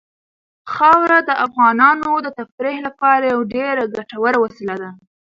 خاوره د افغانانو د تفریح لپاره یوه ډېره ګټوره وسیله ده.